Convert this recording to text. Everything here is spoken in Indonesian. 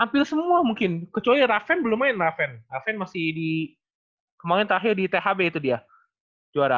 hampir semua mungkin kecuali raven belum main raven raven masih di kemarin terakhir di thb itu dia juara